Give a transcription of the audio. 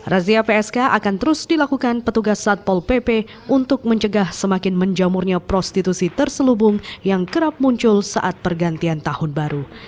razia psk akan terus dilakukan petugas satpol pp untuk mencegah semakin menjamurnya prostitusi terselubung yang kerap muncul saat pergantian tahun baru